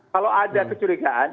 kalau ada kecurigaan